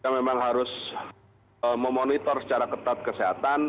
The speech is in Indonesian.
memang harus memonitor secara ketat kesehatan